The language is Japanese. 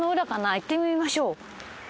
行ってみましょう。